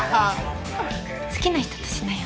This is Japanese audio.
好きな人としなよ